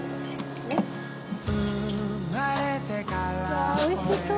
わあ美味しそう！